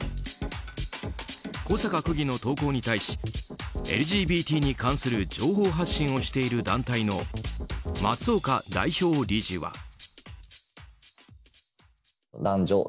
小坂区議の投稿に対しＬＧＢＴに関する情報発信をしている団体の松岡代表理事は。